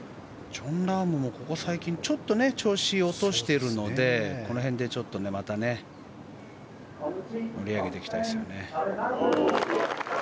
ジョン・ラームもここ最近、ちょっと調子を落としてるのでこの辺でまた追い上げたいですよね。